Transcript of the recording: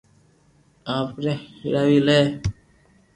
ايني ھيڙوا دي